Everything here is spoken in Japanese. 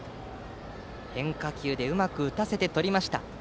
変化球でうまく打たせてとりました。